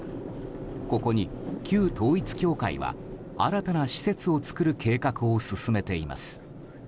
ここに、旧統一教会は新たな施設を造る計画を進めています。